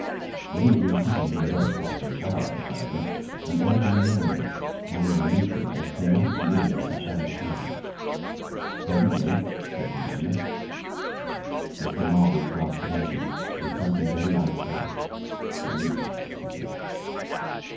When he had been sitting for the best part of an hour, however, an elderly mariner, carrying a newspaper, came out of the inn and sat down beside him. "Pleasant day," said the mariner. Mr. Marvel glanced about him with something very like terror. "Very," he said.